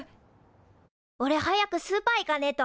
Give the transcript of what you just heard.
おれ早くスーパー行かねえと。